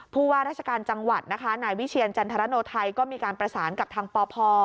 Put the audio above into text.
ผู้ว่าราชการจังหวัดนะคะนายวิเชียรจันทรโนไทยก็มีการประสานกับทางปพ